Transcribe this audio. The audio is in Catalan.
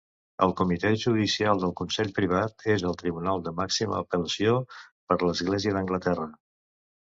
El Comitè Judicial del Consell Privat és el tribunal de màxima apel·lació per l'Església d'Anglaterra.